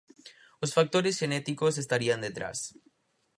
Os factores xenéticos estarían detrás.